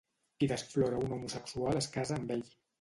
Qui desflora un homosexual es casa amb ell.